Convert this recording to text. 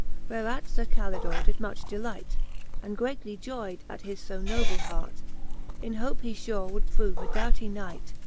Whereat Sir Calidore did much delight, And greatly joy 'd at his fb noble hart. In hope he fure would prove a doughtie knight?